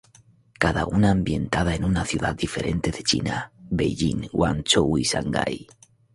Cada una ambientada en una ciudad diferente de China: Beijing, Guangzhou y Shanghai.